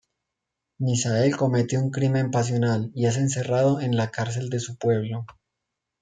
Misael comete un crimen pasional y es encerrado en la cárcel de su pueblo.